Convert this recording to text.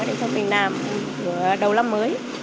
để cho mình làm đầu năm mới